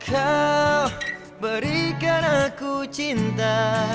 kau berikan aku cinta